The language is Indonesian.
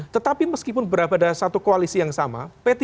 tetapi meskipun berada di dalam harus tunduk di bawah konstitusi partai